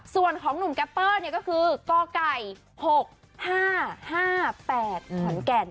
ส่วนของหนุ่มแก๊ปเปิ้ลเนี่ยก็คือก้อไก่๖๕๕๘ถอนแก่น